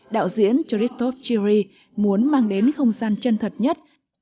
đạo diễn tritov chiri muốn mang đến không gian chân thật nhất